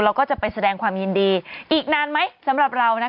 เราก็จะไปแสดงความยินดีอีกนานไหมสำหรับเรานะคะ